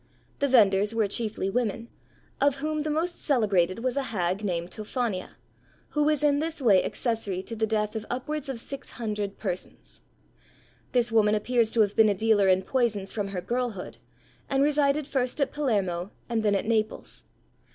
The vendors were chiefly women, of whom the most celebrated was a hag named Tophania, who was in this way accessory to the death of upwards of six hundred persons. This woman appears to have been a dealer in poisons from her girlhood, and resided first at Palermo and then at Naples.